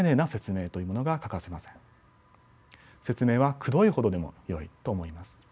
説明はくどいほどでもよいと思います。